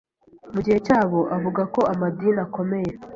mugihe cyabo avuga ko amadini akomeye